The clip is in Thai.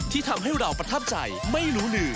ที่ทำให้เราประทับใจไม่ลูนือ